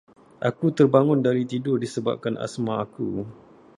Aku terbangun dari tidur disebabkan asma aku.